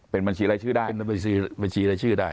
เป็นบัญชีไร้ชื่อได้